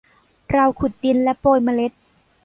เราขุดดินและโปรยเมล็ด